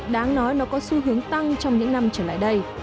đáng nói nó có xu hướng tăng trong những năm trở lại đây